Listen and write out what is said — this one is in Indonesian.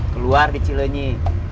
keluar di cileni